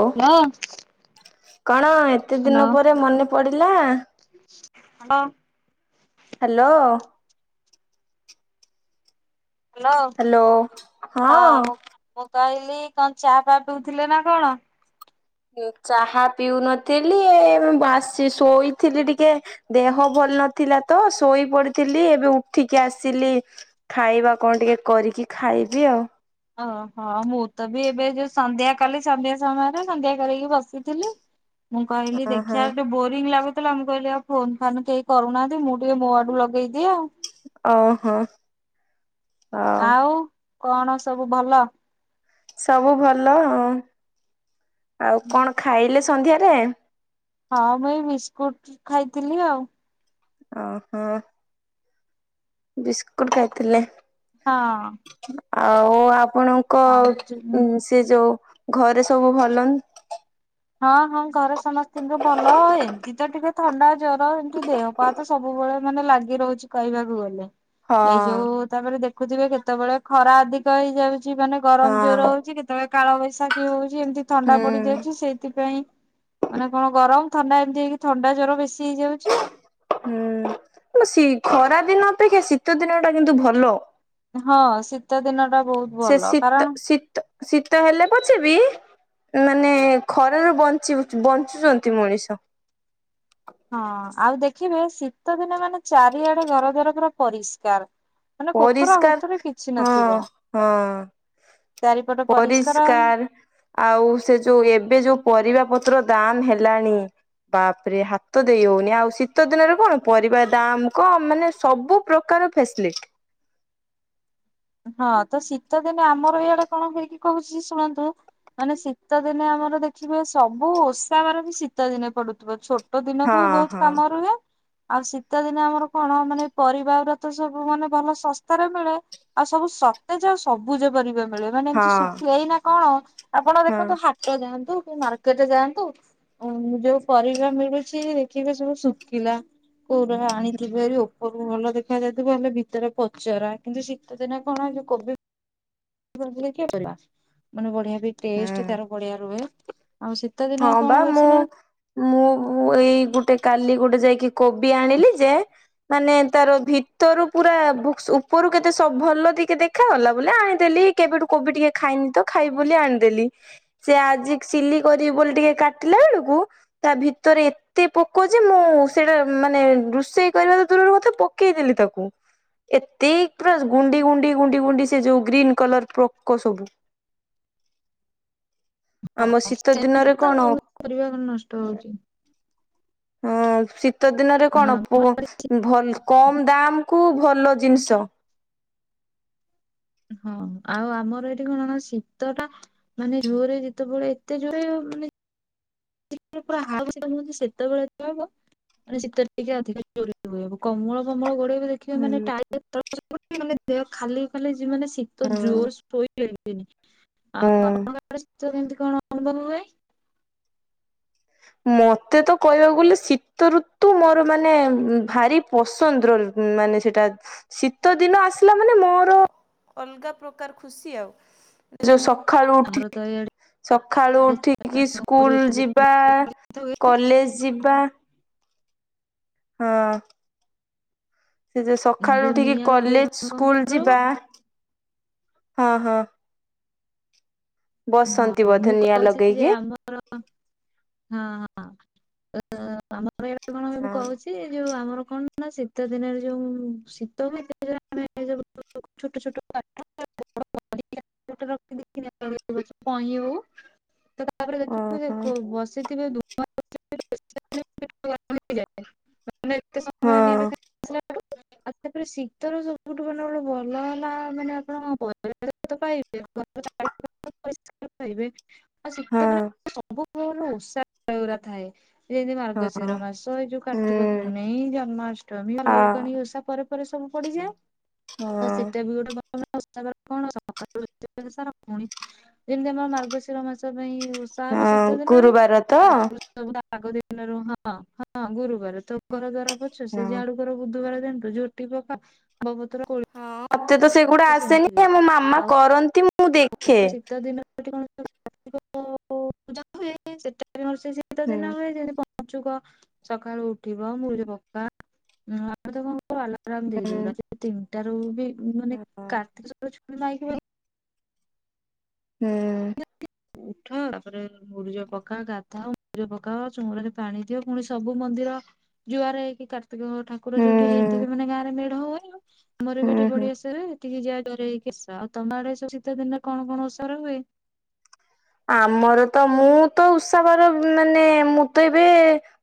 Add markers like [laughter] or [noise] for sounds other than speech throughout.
ଓ hello କଣ ଏତେ ଦିନ ପରେ ମନେ ପଡିଲା। ହଁ। ହ୍ୟାଲୋ। ହ୍ୟାଲୋ ହାଲୋ ହଁ ମୁଁ ମୁଁ କହିଲି କଣ ଚା ପା ପିଉଥିଲେ ନା କଣ। ଚାହା ପିଉନଥିଲି ବାସି ଶୋଇଥିଲି ଟିକେ ଦେହ ଭଲ ନଥିଲା ତ ଶୋଇ ପଡିଥିଲି ଏବେ ଉଠିକି ଆସିଲି। ଖାଇବା କଣ ଟିକେ କରିକି ଖାଇବି ଆଉ। ଓହୋ ମୁଁ ତ ବି ଏବେ ସନ୍ଧ୍ୟା କଲି ସନ୍ଧ୍ୟା ସମୟରେ ସନ୍ଧ୍ୟା କରିକି ବସିଥିଲି। ମୁଁ କହିଲି ଓହୋ ଦେଖିଆ ଗଟେ ବୋରିଙ୍ଗ ଲାଗୁଚି ହେଲା କହିଲି ଆ ଫୋନ ଫାନ୍ କେହି କରୁନାହାନ୍ତି ମୁଁ ଟିକେ ମୋ ଆଡୁ ଲଗେଇଦିଏ ଆଉ। ଓହୋ। ହଉ ଆଉ କଣ ସବୁ ଭଲ। ସବୁ ଭଲ ଆଉ କଣ ଖାଇଲେ ସନ୍ଧ୍ୟାରେ। ହଁ ମୁଁ ଏଇ ବିସ୍କୁଟ ଖାଇଥିଲି ଆଉ। ଓ ହୋ। ବିସ୍କୁଟ ଖାଇଥିଲେ। ହଁ। ଆଉ ଆପଣଙ୍କ ଆଉ ଯୋଉ ସେ ଯୋଉ ଘରେ ସବୁ ଭଲ ହଁ ହଁ ଘରେ ସମସ୍ତିଙ୍କୁ ଭଲ ଏମିତି ତ ଟିକେ ଥଣ୍ଡା ଜର ଏମିତି ଦେହ ପା ତ ସବୁବେଳେ ମାନେ ଲାଗି ରହୁଚି କହିବାକୁ ଗଲେ। ଏଇ ହଁ ଯୋଉ ତାପରେ ଦେଖୁଥିବେ କେତେବେଳେ ଖରା ଅଧିକ ହେଇଯାଉଚି ମାନେ ଗରମ ଜୋର ହଁ ହଉଚି କେତେବେଳେ କାଳବୈଶାଖୀ ହଉଚି ଏମିତି ଥଣ୍ଡା ହୁଁ ପଡିଯାଉଚି ସେଇ ସେଥିପାଇଁ ମାନେ କଣ ଗରମ ଥଣ୍ଡା ଏମିତି ହେଇକି ଥଣ୍ଡା ଜ୍ୱର ବେଶୀ ହେଇଯାଉଚି ଆଉ। ହୁଁ ଖରା ଦିନ ଅପେକ୍ଷା ଶୀତ ଦିନ ଟା କିନ୍ତୁ ଭଲ। ହଁ ଶୀତ ଦିନ ଟା ବହୁତ ସେ ଭଲ ଶୀତ କାରଣ ଶୀତ ଶୀତ ହେଲେ ପଛେବି ମାନେ ଖରାରୁ ବଞ୍ଚି ବଞ୍ଚୁଚନ୍ତି ମଣିଷ। ହଁ ଆଉ ଦେଖିବେ ଶୀତ ଦିନେ ମାନେ ଚାରିଆଡେ ଘର ଦୁଆର ପୁରା ପରିଷ୍କାର। ମାନେ କୋତରା କୋତରି ପରିଷ୍କାର କିଛି ହଁ ନଥିବ ହଁ। ପରିଷ୍କାର। ଆଉ ସେ ଯୋଉ ଏବେ ଯୋଉ ପରିବା ପତ୍ର ଦାମ ହେଲାଣି ବାପରେ ହାତ ଦେଇ ହଉନି ଆଉ ଶୀତ ଦିନରେ କଣ ପରିବା ଦାମ କ ମାନେ ସବୁ ପ୍ର କର ଫ୍ୟାସିଲିଟି। ହଁ ତ ଶୀତଦିନେ ଆମର ଏଇଆଡେ କଣ ହୁଏକି କହୁଚି ଯେ ଶୁଣନ୍ତୁ। ମାନେ ଶୀତ ଦିନେ ଆମର ଦେଖିବେ ସବୁ ଓଷା ବାର ବି ଶୀତ ଦିନେ ପଡୁଥିବ ଛୋଟ ଛୋଟ ହଁ ଦିନକୁ ବି ବହୁତ ହଁ କାମ ରୁହେ। ଆଉ ଶୀତ ଦିନେ ଆମର କଣ ମାନେ ପରିବାର ର ତ ସବୁ ମାନେ ଭଲ ଶସ୍ତାରେ ମିଳେ। ଆଉ ସବୁ ସତେ ଯେ ଆଉ ସବୁଜ ପରିବା ମିଳେ ମାନେ ହଁ ଏମତି ଶୁଖୀ ଏଇନା କଣ ଆପଣ ହଁ। ଦେଖନ୍ତୁ ହା ଟ ଯାଆନ୍ତୁ କି ମାର୍କେଟରେ ଯାଆନ୍ତୁ। ଓ ଯୋଉ ପରିବା ମିଳୁଛି ଦେଖିବେ ସବୁ ଶୁକିଲା। କଉରା ଆଣିଥିବେ ଭାରି ଉପରକୁ ଭଲ ଦେଖା ଯାଉଥିବ ହେଲେ ଭିତରେ ପଚରା କିନ୍ତୁ ସେ ତ ଦିନେ କଣ ଯଉ କୋବି ମାନେ ବଢିଆ ବି ଟେ ହୁଁ ତାର ବଢିଆ ରୁହେ ଆଉ ଦିନ ହଁ କଣ ବା ହଉଛି ମୁଁ ନା ମୁଁ ଏଇ ଗୋଟେ କାଲି ଗୋଟେ ଯାଇକି କୋବି ଆଣିଲି ଯେ ମାନେ ତାର ଭିତରୁ ପୁରା ଉପରୁ କେତେ ଭଲ ଟିକେ ଦେଖାାଗଲା ବୋ ଆଣିଦେଲି। କେବେଠୁ କୋବି ଟିକେ ଖାଇନି ତ ଖାଇ ବୋଲି ଆଣିଦେଲି ସେ ଆଜି ସିଲି କରି ବୋଲି ଟିକେ କାଟିଲା ବେଳକୁ ତା ଭିତରେ ତ ପୋକଛି ମୁଁ ସେଇଟା ମାନେ ରୋଷେଇ କରିବା ଦୂରରୁ ମତେ ପକେଇ ଦେେଲି ତାକୁ ଏତେ ପୁରା ଗୁଡି ଗୁ ଗୁଡି ଗୁ ସେ ଯୋଉ ଗ୍ରୀନ୍ କଲର ପୋକ ସବୁ [inaudible] ବ ଆମ ଶୀତ ସେ ଦିନରେ ତ ମୁ କଣ କରିବା କଣ ନଷ୍ଟ ହଉଛି। ହଁ ଶୀତ ଦିନରେ ହଁ କଣ? ଓ ଭଲ କମ ଦାମ କୁ ଭଲ ଜିନିଷ। ହଁ ଆଉ ଆମର ଏଇଠି କଣ କ ଶୀତ ଟା ମାନେ ଜୋରରେ ଯେତେବେଳେ ଏତେ ଜୋର ମାନେ ପୁରା ଆଉ ହଛି ସେତେବେଳେ ହବ। ମାନେ ଶୀତରେ ଟିକେ ଅଧିକ ଚୋ ହୁଏବ କମଳ ପମଳ ଗୋେଇବେ ଦେଖ ଖ ହୁଁ। ମାନେଳି ଦେହ ଖାଲି ଖାଲିାନେ ଶୀତ ଜ ହଁ ଶୋଇ ଏମତି ହଁ। ଆଉ କେମତି କଣ ଅନୁଭବ ହୁଏ। ମତେ ତ କହିବାକୁ ଗଲେ ଶୀତ ଋତୁ ମୋର ମାନେ ଭାରି ପସନ୍ଦର ମାନେ ସେଟା ଶୀତ ଦିନ ଆସିଲା ମାନେ ମୋର ଅଲଗା ପ୍ରକାର ଖୁସି ଆଉ ଯୋଉ ସକାଳୁ ଆମର ଉଠି ତ ଇଆଡେ ସକାଳୁ ଉଠିକି ଆଗରୁ ସ୍କୁଲ ଏତେ ଜୋରେ ଯିବା ଶୀତ ହୁଏ। କଲେଜ ଯିବା ହଁ। ସେ ଯ ଯୋଉ ସକାଳୁଠିକି ନିଆଁ ଲଗେଇକି କଲେଜ ଆମେ କଣ ସ୍କୁଲ କରୁ ଯିବା ହଁ ହଁ। ବସନ୍ତି ହଁ ବଧ ମୁଁ ନିିଆଁ କହୁଛି ଯେ ଲଗେଇକି ହଁ ଆମର ହଁ ଆମର ଏବେ କଣ ହୁଏ ମୁଁ ହଁ। କହୁଛି। ସେି ଯୋଉ ଆମର କଣ ନା ଶୀତ ଦିନରେ ଯୋଉ ଶୀତ ଆେୁ ଛୋଟ ଛୋଟ ରଖି ଦେ କହ ହଉ ତ ତାପରେ ଦେଖିବ ଓହୋ ଦେଖ ବସିଥିବେ ସମୟ [inaudible] ହଁ ଆଉ ତାପରେ ଶୀତର ସବୁଠୁ ମାନେ ଗୋଟେ ଭଲ ହେଲା ମାନେ ଆପଣ ବ ପାଇବେ। ିବେ ଆ ଶିକ୍ଷା ହଁ ଦିନ ସବୁ କ ଉସାହୟା ଥାଏ। ଏଇ ଯେ ହଁ ମାର୍ଗଶିର ମାସ ଏଇ ଯୋଉ କାର୍ତ୍ତିକ ହୁଁ ପୂନେଇ ଜନ୍ମାଷ୍ଟମୀ ଆ ଭାଲୁକାଣି ଓଷା ପରେ ପରେ ସବୁ ପଡିଯାଏ ହଁ ତ ସେଟା ବି ଗୋଟେ [inaudible] କଣ? ପୁଣି ଯେମିତି ଆମର ମାର୍ଗଶିର ମାସ ପାଇଁ ହଁ ଗୁରୁବାର ତ। ସବୁ ତା ଆଗ ଦିନରୁ ହଁ ହଁ ଗୁରୁବାର ତ ଘର ଦ୍ୱାର ପୁଛ ସେ ହଁ। ଜାଆଡୁ ର ବୁଧବାର ଦିନ ତ ଝୋଟି ପକା ଆମ୍ବ ପତର କୋଳି ମତେ ତ ସେଗୁଡା ସେମିତି ଆସେନି ହୁଏ। ମୋ ମାମା ଆଉ କରନ୍ତି। ମୁଁ ଦେଖେ। ଶୀତ ଦିନ ଏଠି କଣ କାର୍ତ୍ତିକ [inaudible] ପୂଜା ହୁଏ ସେଟା ବି ମୋର ସେଇ ସେ ଶୀତ ହୁଁ ଦିନ ହୁଏ ଯେମିତି ପଞ୍ଚୁକ ସକାଳୁ ଉଠିବ ମୁରୁଜ ପକା ଆଉ ତ କଣ? ଆଲାରାମ ଦେଇଦଉ ହୁଁ ରାତି ତିନିଟାରୁ ବି ମାନେ ହଁ କାର୍ତ୍ତିକ [inaudible] ସ ଛୁ ନକି ହୁଁ। ଉଠ ତାପରେ ମୁରୁଜ ପକା ଗାଧଉ ମୁରୁଜ ପକାଉ ଚୌରାରେ ପାଣି ଦିଅ ପୁଣି ସବୁ ମନ୍ଦିର ଯୁଆର ହେଇକି କାର୍ତିକ ଠାକୁର ହୁଁ ଯୋଉଠି ହେଇଥିବେ ମାନେ ଗାଁରେ ମେଢ ହୁଏ ଆଉ ଆମର ବି ଏଠି ହୁଁ ହୁଁ। ବଢିଆସେ ହୁଏ। ଟିକେ ଯା ଡରେହେଇକି କିସ ଆଉ ତମ ଆଡେ ଏ ଶୀତ ଦିନରେ କଣ କଣ ଓସାରା ହୁଏ? ଆମର ତ ମୁଁ ତ ଉଷାବାର ମାନେ ମୁଁ ତ ଏବେ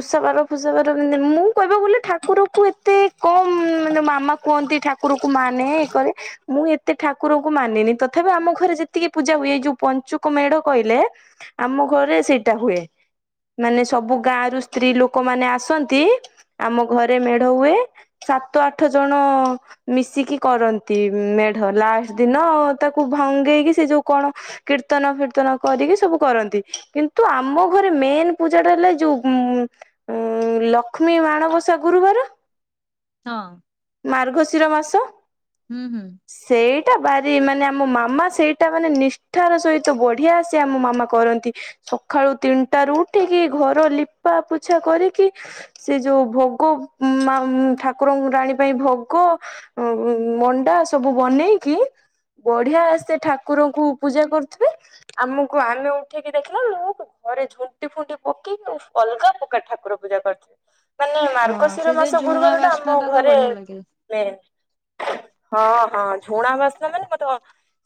ଉଷା ବାର ଉଷା ବାର କେମିତି ମୁଁ କହିବ ବୁଲି ଠାକୁରକୁ ଏତେ କମ ମାନେ ମାମା କୁହନ୍ତି ଠାକୁରକୁ ମାନେ ଇ କରେ ମୁଁ ଏତେ ଠାକୁରଙ୍କୁ ମାନିନି ତଥାପି ଆମ ଘରେ ଯେତିକି ପୂଜା ହୁଏ ଏଇ ଯୋଉ ପଞ୍ଚୁକ ମେଢ କହିଲେ ଆମ ଘରେ ସେଇଟା ହୁଏ। ମାନେ ସବୁ ଗାଁ ର ସ୍ତ୍ରୀ ଲୋକମାନେ ଆସନ୍ତି ଆମ ଘରେ ମେଢ ହୁଏ। ସାତ ଆଠ ଜଣ ମିଶିକି କରନ୍ତି ମେଢ ଲାଷ୍ଟ ଦିନ ତାକୁ ଭାଙ୍ଗେଇକି ସେ ଯୋଉ କଣ? କିର୍ତନ ଫିର୍ତନ କରିକି ସବୁ କରନ୍ତି କିନ୍ତୁ ଆମ ଘରେ ମେନ୍ ପୂଜାଟା ହେଲା ଯୋଉ ଉଁ ଉଁ ଲକ୍ଷ୍ମୀ ମାଣବସା ଗୁରୁବାର ହଁ ମାର୍ଗଶିର ମାସ ହୁଁ ହୁଁ ସେଇଟା ବାରି ମାନେ ଆମ ମାମା ସେଇଟା ମାନେ ନିଷ୍ଠାର ସହିତ ବଢିଆ ସେ ଆମ ମାମା କରନ୍ତି। ସକାଳୁ ତିନିଟା ରୁ ଉଠିକି ଘର ଲିପା ପୋଛା କରିକି ସେ ଯୋଉ ଭୋଗ ଉଁ ମାଉ ଠାକୁରଙ୍କୁ ରାଣୀ ପାଇଁ ଭୋଗ ଉଁ ମଣ୍ଡା ସବୁ ବନେଇକି ବଢିଆ ସେ ଠାକୁରଙ୍କୁ ପୂଜା କରୁଥିବେ। ଆମକୁ ଆମେ ଉଠେଇକି ଦେଖିଲାଳୁ କୁ ଘରେ ଝୁଣ୍ଟି ଫୁଣ୍ଟି ପକେଇକି ଓଃ ଅଲଗା ପକାର ଠାକୁର ପୂଜା କରି ହଁ ସେ ଯେ ଝୁଣା ବାସ୍ନା ଟା ତ ବଢିଆ ଲାଗେ। ମେରେ ହଁ ହଁ ଝୁଣା ବାସ୍ନା ମାନେ ମତେ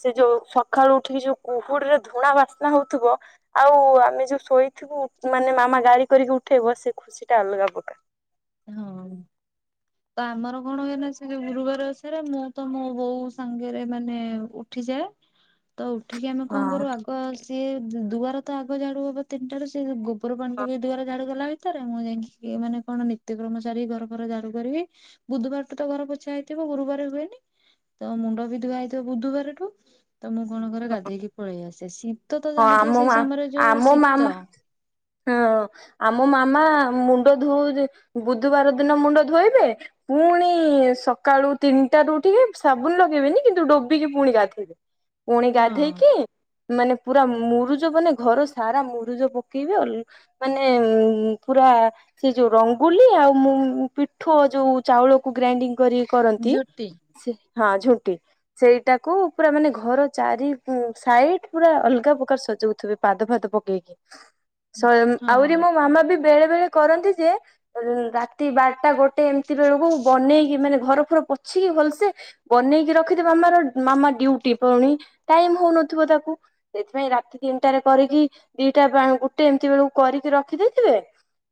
ସେ ଯୋଉ ସଖାଳୁ ଉଠିକି ଯୋଉ କୁହୁଡି ରେ ଧୂଣା ବାସ୍ନା ହଉଥିବ। ଆଉ ଆମେ ଯୋଉ ଶୋଇଥିବୁ ମାନେ ମାମା ଗାଳି କରିକି ଉଠେଇବ ସେ ଖୁସି ଟା ଅଲଗା ପକାର। ହଁ ତ ଆମର କଣ ହୁଏନା ସେ ଯଉ ଗୁରୁବାର ଉଷାରେ ମୁଁ ତ ମୋ ବୋଉ ସାଙ୍ଗରେ ମାନେ ଉଠିଯାଏ। ତ ଉଠିକି ଆମେ କଣ ହଁ କରୁ ଆଗ ଅ ସିଏ ଦୁଆର ତ ଆଗ ଝାଡୁ ହବ ତିନିଟା ର ସେ ଗୋବର ପାଣି ପକେଇକି ଦୁଆର ଝାଡୁ କଲାଣି ତ ରେ ମୁଁ ଯାଇକି ଏ ମାନେ କଣ ନିତ୍ୟକ୍ରମ ସାରି ଘର ଫର ଝାଡୁ କରିବି ବୁଧବାର ଟୁ ତ ଘର ପୋଛା ହେଇଥିବ ଗୁରୁବାର ହୁଏନି। ତ ମୁଣ୍ଡ ବି ଧୁଆ ହେଇଥିବ ବୁଧବାରଠୁ ତ ମୁଁ କଣ କରେ ଗାଧେଇକି ପଳେଇ ଆସେ ସି ଶୀତ ତ ହଁ ଆମ ଜାଣିଥିବେ ସେଇ ମା ସମୟରେ ଯୋଉ ଆମ ମାମା ଶୀତ। ହଁ ଆମ ମାମା ମୁଣ୍ଡ ଧୋଉ ବୁଧବାର ଦିନ ମୁଣ୍ଡ ଧୋଇବେ। ପୁଣି ସକାଳୁ ତିନିଟା ରୁ ଉଠିକି ସାବୁନ ଲଗେଇବେନି କିନ୍ତୁ ଡୋବିକି ପୁଣି ଗାଧେଇବେ। ପୁଣି ହଁ ଗାଧେଇକି ମାନେ ପୁରା ମୁରୁଜ ମାନେ ଘର ସାରା ମୁରୁଜ ପକେଇବେ ଅଉ। ମାନେ ପୁରା ସେ ଯୋଉ ରଙ୍ଗୁୋଲି ଆଉ ମୁଁ ପିଠୁ ଯୋଉ ଚାଉଳକୁ ଗ୍ରାଇଣ୍ଡିଙ୍ଗ କରି କରନ୍ତି ଝୋଟି ହଁ ଝୁଣ୍ଟି ସେଇଟାକୁ ପୁରା ମାନେ ଘର ଚାରି ସାଇଟ୍ ପୁରା ଅଲଗା ପ୍ରକାର ସଜଉଥିବେ ପାଦ ଫାଦ ପକେଇକି ହଁ ଆହୁରି ମୋ ମାମା ବି ବେଳେ ବେଳେ କରନ୍ତି ଯେ ରାତି ବାରଟା ଗୋ ବନେଇକି ରଖିଥ ମାମାର ମାମା ଡୁଟୀ ପୁଣି ଟାଇମ ହେଉନଥିବ ତାକୁ। ସେଥିପାଇଁ ରାତି ତିନିଟାାରେ କରିକି ଦିଟା ଗୋଟେ ଏମିତି ବେଳକୁ କରିକି ରଖିଦେଇଥିବେ।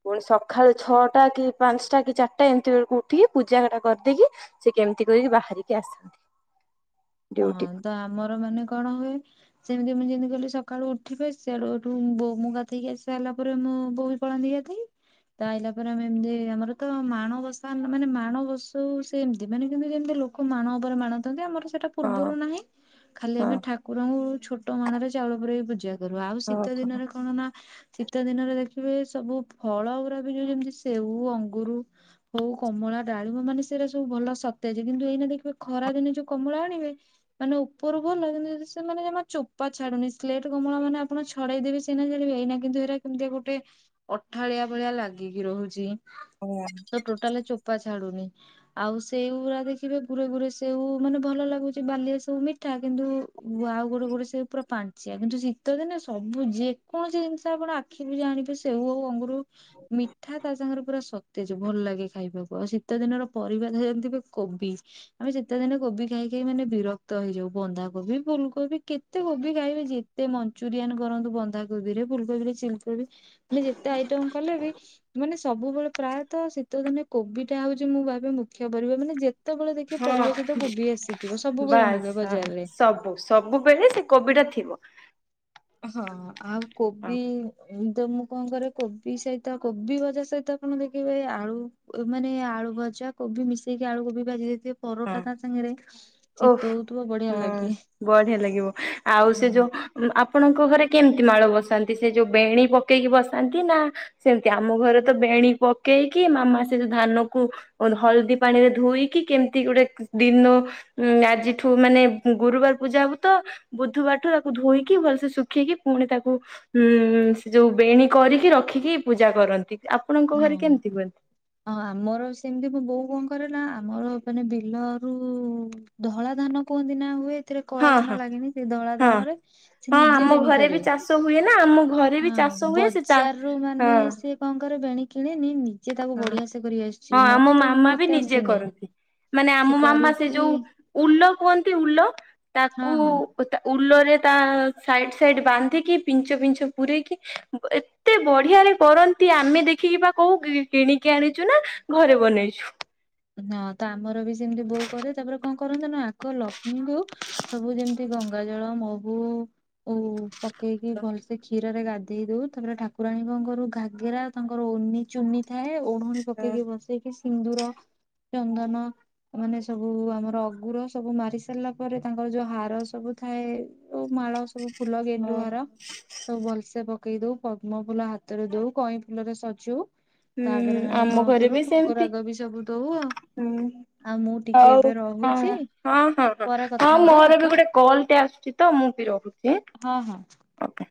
ପୁଣି ସକାଳୁ ଛଅଟା କି ପାଞ୍ଚଟା କି ଚାରିଟା ଏମିତି ବେଳକୁ ଉଠିକି ପୂଜାଟା କରିଦେଇକି ସେ କେମିତି କରିକି ବାହାରିକି ଆସନ୍ତି। ହଁ ଡ୍ୟୁଟି ତ ଆମର ମାନେ କଣ ହୁଏ। ସେମିତି ମୁଁ ଯେମିତି କଇଲି ସକାଳୁ ଉଠିବେ ସିଆଡୁ ଏଠୁ ବୋ ମୁଁ ଗାଧୋଇକି ଆ ସାରିଲା ପରେ ମୁଁ ବୋଉ କଣ ତା ହେଇଲା ପରେ ଆମେ ଏମତି ଆମର ତ ମାଣବସା ମାନେ ମାଣବ ବସଉ ସେ ଏମିତି ମାନେ କିନ୍ତୁ ଯେମତି ଲୋ କଉ, ମାଣ ଉପରେ ମାଣ ଦିଅନ୍ତି, ଆମର ସେଟା ହଁ ପୂର୍ବୁରୁ ନାହିଁ। ଖାଲି ହଁ ଆମେ ଠାକୁରଙ୍କୁ ଛୋଟ ମାଣରେ ଚାଉଳ ପୁରେଇ କି ପୂଜା କରୁ। ଆଉ, ହଁ ଶୀତ କହ। ଦିନରେ କଣ ନା ଶିତ୍ ଶୀତ ଦିନରେ ଦେଖିବେ, ସବୁ ଫଳଗୁରା ବି ଯୋଉ ଯେମିତି ସେଉ, ଅଙ୍ଗୁରୁ ହଉ କମଳା, ଡାଳିମ୍ବ ମାନେ ସେଇରା ସବୁ ଭଲ ସତେଜ୍। କିନ୍ତୁ, ଏଇନା ଦେଖିବେ, ଖରା ଦିନେ ଯୋଉ କମଳା ଆଣିବେ ମାନେ ଉପରୁ ଭଲ ଯେମିତି ସେମାନେ ଜମା ଚୋପା ଛାଡୁନି, ସ୍ଲେଟ କମଳା ମାନେ ଆପଣ ଛଡେଇଦେବେ ସେଇନା ଛାଡ଼ିବେ, ଏଇନା କିନ୍ତୁ ଏଇରା କେମତିଆ ଗୋଟେ ଅଠାଳିଆ ଭଳିଆ ଲାଗିକି ରହୁଛି। ହଁ। ତ ଟୋଟାଲ୍ ଚୋପା ଛାଡୁନି। ଆଉ ସେଉ ଗୁରା ଦେଖିବେ, ଗୁରେ ଗୁରେ ସେଉ, ମାନେ ଭଲ ଲାଗୁଚି। ବାଲିଆ ସେଉ ମିଠା। କିନ୍ତୁ ଆଉ ଗୁରେ ଗୁରେ ସେଉ ପୁରା ପାଣି ଚିୟା। କିନ୍ତୁ ଶୀତଦିନେ ସବୁ ଯେକୌଣସି ଜିନିଷ ଆପଣ ଆଖି ବୁଜି ଆଣି ସେଉ ଆଉ ଅଙ୍ଗୁରୁ ମିଠା ତା ସାଙ୍ଗରେ ପୁରା ସ ତେଜ୍ ଭଲ ଲାଗେ ଖାଇବାକୁ। ଆଉ, ଶୀତ ଦିନର ପରିବା ଯେମତିବି କୋବି ଆମେ ସେତେ ଦିନ କୋବି ଖାଇ କେ ମାନେ ବିରକ୍ତ ହେଇଯାଉ। ବନ୍ଧାକୋବି, ଫୁଲକୋବି କେତେ କୋବି ଖାଇବେ? ଯେତେ ମନ୍ ଚୁରିଆନ୍ କରନ୍ତୁ ବନ୍ଧାକୋବି ରେ, ଫୁଲକୋବିରେ ଚିଲକୋବି ମାନେ, ଯେତେ ଆଇଟମ୍ କଲେ ବି ମାନେ ସବୁବେଳେ ପ୍ରାୟତଃ, ଶୀତଦିନେ କୋବିଟା ହଉଛି ମୁଁ ଭାବେ ମୁଖ୍ୟ ପରିବା। ମାନେ ଯେତ୍ ତ ବେଳେ ଦେଖିବ ହଁ ପରିବା ସହିତ କୋବି ଆସିଥିବ। ସବୁବେଳେ ବାସ୍ ମିଳେ ହଁ ବଜାରରେ। ସବୁ, ସବୁବେଳେ ସେ କୋବିଟା ଥିବ। ହଁ, ଆଉ ହଁ କୋବି ଏଇତ ମୁଁ କଣ କରେ! କୋବି ସହିତ କୋବି ଭଜା ସହିତ ଆପଣ ଦେଖିବେ ଆଳୁ ମାନେ ଆଳୁ ଭଜା କୋବି ମିଶେଇକି ଆଳୁ କୋବି ଭାଜି ଦେଇଥିବେ। ହଁ, ପରଟା ତା ସାଙ୍ଗରେ ଶୀତ ଓଫ୍ ହଉଥିବ ବଢିଆ ହଁ, ଲାଗେ। ବଢିଆ ଲାଗିବ! ଆଉ, ସେ ଯୋଉ ଆପଣଙ୍କ ଘରେ କେମିତି ମାଳ ବସାନ୍ତି? ସେ ଯୋଉ ବେଣୀ ପକେଇକି ବସାନ୍ତି ନା ସେମିତି, ଆମ ଘରେ ତ ବେଣୀ ପକେଇକି, ମାମା ସେ ଯ ଧାନକୁ ହଳଦୀ ପାଣି ରେ ଧୁଇକି, କେମ୍ ତି ଗୁଟେ ଦିନ ଆଜିଠୁ, ମାନେ ଗୁରୁବାର ପୂଜା ହବୁତ ବୁଧବାରଠୁ ତାକୁ ଧୁଇକି, ଭଲସେ ଶୁଖେଇକି। ପୁଣି ତାକୁ ହୁଁ, ସେ ଯୋଉ ବେଣୀ କରିକି ରଖିକି ପୂଜା କରନ୍ତି। ଆପଣଙ୍କ ଘରେ କେମତି ହୁଏ? ହଁ, ଆମର ସେମିତି ମୋ ବୋଉ କଣ କରେନା, ଆମର ମାନେ ବିଲରୁ-ଉ ଧଳା ଧାନ କୁହନ୍ତି ନା ହୁଏ। ଏଥିରେ କଳା ହଁ ଧାନ ହଁ ଲାଗେନି, ସେ ଧଳା ହଁ ଧାନରେ, ସେ ହଁ ନିଜେ ଆମ ବେଣୀ ଘରେ ବି କରେ। ଚାଷ ହୁଏ ନା ଆମ ଘରେ ବି ଚାଷ ହଁ ହୁଏ ବଜ୍ ସେ ଚା ଜାର୍ ରୁ ମାନେ ହଁ ସେ କଣ କରେ? ବେଣୀ କିଣେନି, ନିଜେ ତାକୁ ହଁ। ବଢିଆ ସେ କରି ଆସିଛି। ହଁ ଆମ ମତେ ମାମା ବି ମତେ ନିଜେ ଆସିନେଇଁ। କରନ୍ତି। ମାନେ, ଆମ ମାମା ସେ ଯୋଉ, ଉଲ କୁହନ୍ତି। ଉଲ ହଁ ତାକୁ ହଁ। ଓ ତା, ଉଲରେ ତା ସାଇଡ୍ ସାଇଡ୍ ବାନ୍ଧିକି, ପିଞ୍ଚ ଫିଞ୍ଚ ପୁରେଇକି ଏତେ ବଢିଆରେ କରନ୍ତି। ଆମେ ଦେଖିକି ବା କହୁ କି -କିଣିକି ଆଣିଛୁ ନା ଘରେ ବନେଇଛୁ? ହଁ, ତ ଆମର ବି ସେମିତି ବୋଉ କରେ। ତା'ପରେ କଣ କରନ୍ତୁ ନା। ଆକ ଲକ୍ଷ୍ମୀଙ୍କୁ ସବୁ ଯେମିତି ଗଙ୍ଗାଜଳ, ମହୁ ଓ ପକେଇକି ଭଲସେ ଖିର୍ ର ରେ ଗାଧେଇ ଦଉ। ତା'ପରେ ଠାକୁରାଣୀ କଣ କରୁ, ଘାଗେରା ତାଙ୍କର ଓନିଚୁନି ଥାଏ। ଓଢଣୀକୁ ହୁଁ ପକେଇକି ବସେଇକି। ସିନ୍ଦୁର, ଚନ୍ଦନ ମାନେ ସବୁ ଆମର ଅଗୁର ସବୁ ମାରି ସାରିଲା ପରେ, ତାଙ୍କର ଯୋଉ ହାର ସବୁ ଥାଏ। ଯଉ ମାଳ ସବୁ, ଫୁଲ ଗେଣ୍ଡୁ ହୁଁ। ହାର ସବୁ ଭଲସେ ପକେଇ ଦଉ। ପଦ୍ମ ଫୁଲ ହାତରେ ଦଉ, କଇଁ ଫୁଲରେ ସଜଉ। ତା'ପରେ ହୁଁ ମାନେ ଆମ କଣ ଘରେ କରୁ? ବି ଭୋଗ ସେମିତି। ରାଗ ବି ସବୁ ଦଉ ଆଉ। ହୁଁ। ଆଉ ମୁଁ ଟିକେ ହଉ, ଏବେ ହଁ ରହୁଛି ହଁ ହଁ ହଁ ପରେ ହଁ କଥା ହବା ଆଉ। ମୋର ବି ଗୋଟେ କଲ୍ ଟେ ଆସୁଛି ତ, ମୁଁ ବି ରହୁଛି। ହଁ ହଁ ଓକେ